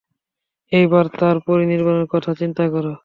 এইবার তাঁর পরিনির্বাণের কথা চিন্তা কর।